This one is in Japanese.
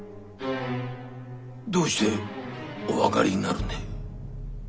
どうしてお分かりになるんで？